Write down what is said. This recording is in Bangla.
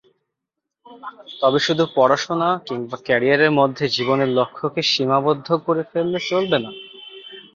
তবে শুধু পড়াশোনা কিংবা ক্যারিয়ারের মধ্যে জীবনের লক্ষ্যকে সীমাবদ্ধ করে ফেললে চলবে না।